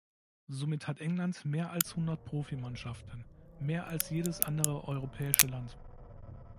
Somit hat England mehr als hundert Profimannschaften, mehr als jedes andere europäische Land.